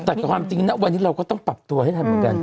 แต่ความจริงนะวันนี้เราก็ต้องปรับตัวให้ทันเหมือนกัน